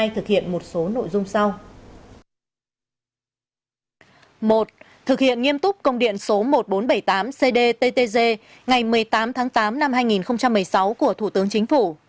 một thực hiện nghiêm túc công điện số một nghìn bốn trăm bảy mươi tám cdttg ngày một mươi tám tháng tám năm hai nghìn một mươi sáu của thủ tướng chính phủ